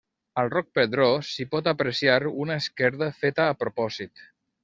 Al Roc Pedró s'hi pot apreciar una esquerda feta a propòsit.